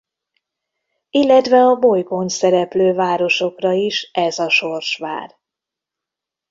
Illetve a bolygón szereplő városokra is ez a sors vár.